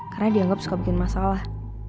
karena dianggap suka bikin masalah